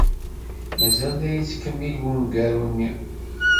Mazal la yettkemmil wemgaru-nni.